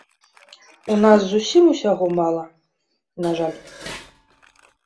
У нас зусім усяго мала, на жаль.